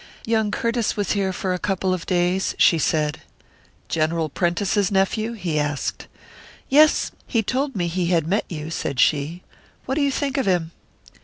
"Young Curtiss was here for a couple of days," she said. "General Prentice's nephew?" he asked. "Yes. He told me he had met you," said she. "What do you think of him?"